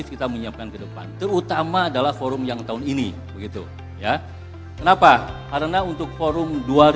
kita menyiapkan kedepan terutama adalah forum yang tahun ini begitu ya kenapa karena untuk forum